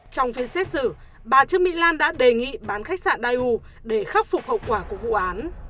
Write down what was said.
trong phiên xét xử bà trương mỹ lan đã đề nghị bán khách sạn dau để khắc phục hậu quả của vụ án